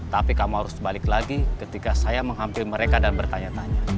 tapi kamu harus balik lagi ketika saya menghampiri mereka dan bertanya tanya